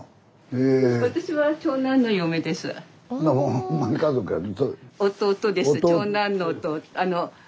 ほんまに家族やね。